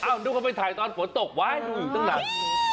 อ้าวนุ้งเขาไปถ่ายตอนฝนตกไว้อยู่ตั้งหลัง